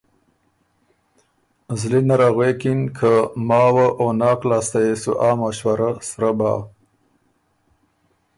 زلی نره غوېکِن که ماوه او ناک لاسته يې سُو ا مشورۀ سرۀ بَۀ۔